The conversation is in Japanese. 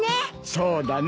そうだな。